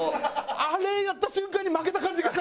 あれやった瞬間に負けた感じがしたもん。